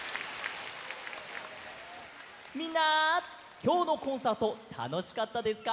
みんなきょうのコンサートたのしかったですか？